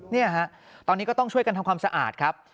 เนี่ยฮะตอนนี้ก็ต้องช่วยกันทำความสะอาดครับ